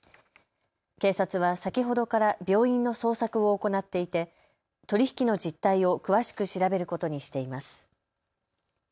警察は先ほどから病院の捜索を行っていて、取り引きの実態を詳しく調べることにしています。